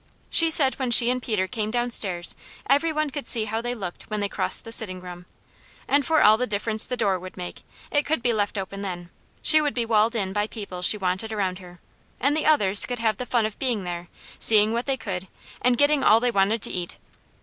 She said when she and Peter came downstairs every one could see how they looked when they crossed the sitting room, and for all the difference the door would make, it could be left open then; she would be walled in by people she wanted around her, and the others could have the fun of being there, seeing what they could, and getting all they wanted to eat.